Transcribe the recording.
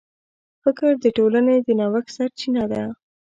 فکر د ټولنې د نوښت سرچینه ده.